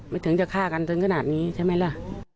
ถึงจะฆ่ากันถึงขนาดนี้ใช่ไหมล่ะ